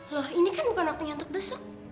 loh ini kan bukan waktunya untuk besok